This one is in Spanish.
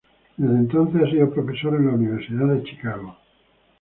Desde entonces ha sido profesor en la Universidad de Chicago.